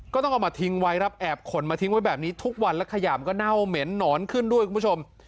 ก็ต้องเอามาทิ้งไว้ครับแอบขนมาทิ้งไว้แบบนี้ทุกวันแล้วขยามก็เน่าเหม็นหนอนขึ้นด้วยคุณผู้ชม